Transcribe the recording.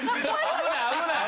危ない危ない！